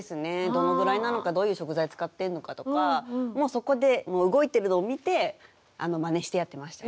どのぐらいなのかどういう食材使ってんのかとかもうそこで動いてるのを見てマネしてやってました。